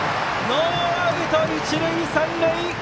ノーアウト、一塁三塁！